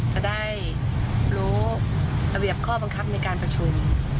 จะได้รู้ระเบียบข้อบังคับในการประชุม